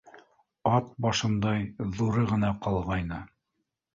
Ат башындай ҙуры ғына ҡалғайны.